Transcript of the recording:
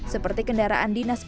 seperti kendaraan dinas pejabat